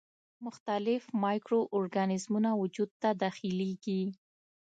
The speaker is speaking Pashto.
مختلف مایکرو ارګانیزمونه وجود ته داخليږي.